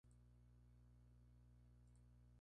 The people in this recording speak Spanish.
Forma parte de la formación Roraima del Escudo de Guayana.